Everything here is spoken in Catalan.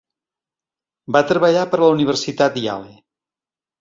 Va treballar per a la Universitat Yale.